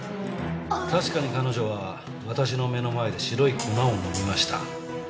確かに彼女は私の目の前で白い粉を飲みました。